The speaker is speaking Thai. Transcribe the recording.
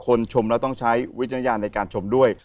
คนชมแล้วต้องใช้วิจัยในการชมด้วย